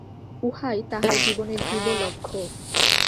উহাই তাহার জীবনের ধ্রুব লক্ষ্য।